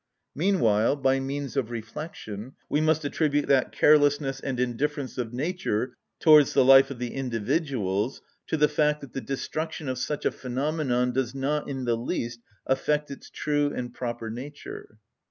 Meanwhile, by means of reflection, we must attribute that carelessness and indifference of nature towards the life of the individuals to the fact that the destruction of such a phenomenon does not in the least affect its true and proper nature.